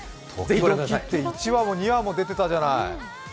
時々って１話も２話も出てたじゃない。